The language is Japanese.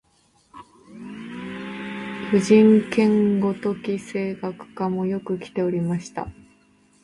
柳宗悦、夫人兼子のごとき声楽家もよくきておりました